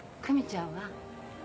久実ちゃんは？